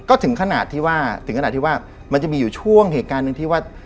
ก็ถึงขนาดที่ว่ามันจะมีอยู่ช่วงเหตุการณ์หนึ่งที่ว่า